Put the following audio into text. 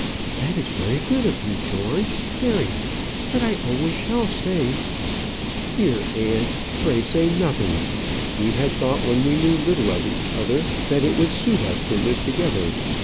"That is very good of you, George; very. But I always shall say " "Dear aunt, pray say nothing. We had thought when we knew little of each other that it would suit us to live together.